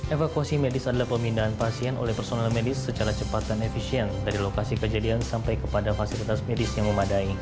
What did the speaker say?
evakuasi medis adalah pemindahan pasien oleh personal medis secara cepat dan efisien dari lokasi kejadian sampai kepada fasilitas medis yang memadai